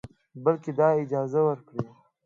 بلکې دا اجازه ورکړئ